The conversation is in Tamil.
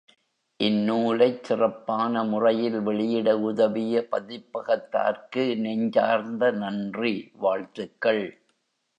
இந்நூலைச் சிறப்பான முறையில் வெளியிட உதவிய பதிப்பகத்தார்க்கு நெஞ்சார்ந்த நன்றி, வாழ்த்துக்கள்!